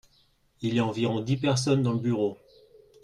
Il y a environ dix personnes dans le bureau.